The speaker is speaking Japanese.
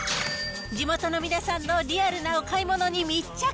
地元の皆さんのリアルなお買い物に密着。